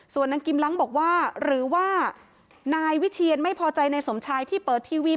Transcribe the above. ส่วนนางกิมลังบอกว่าหรือว่านายวิเชียนไม่พอใจนายสมชายที่เปิดทีวี